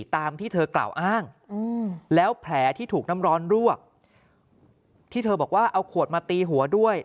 ตามที่เธอกล่าวอ้างแล้วแผลที่ถูกน้ำร้อนรวกที่เธอบอกว่าเอาขวดมาตีหัวด้วย